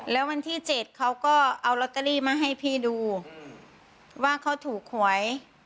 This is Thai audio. แล้ววันที่๗เขาก็เอาลอตเตอรี่มาให้พี่ดูว่าเขาถูกหวย